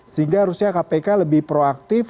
sehingga harusnya kpk lebih proaktif